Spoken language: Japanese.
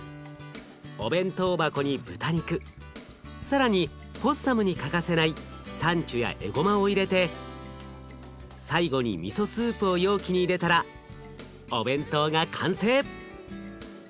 お弁当箱に豚肉更にポッサムに欠かせないサンチュやエゴマを入れて最後にみそスープを容器に入れたらお弁当が完成。